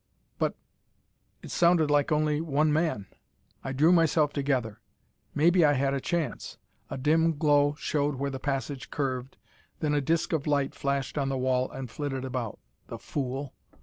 But it sounded like only one man. I drew myself together. Maybe I had a chance. A dim glow showed where the passage curved, then a disk of light flashed on the wall and flitted about. The fool!